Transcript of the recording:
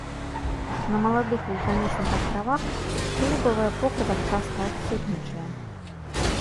На маладых вулканічных астравах глебавае покрыва часта адсутнічае.